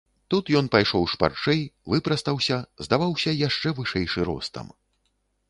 Тут ён пайшоў шпарчэй, выпрастаўся, здаваўся яшчэ вышэйшы ростам.